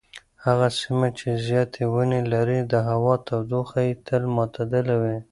هغه سیمه چې زیاتې ونې لري د هوا تودوخه یې تل معتدله وي.